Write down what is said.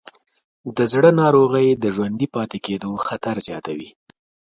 د زړه ناروغۍ د ژوندي پاتې کېدو خطر زیاتوې.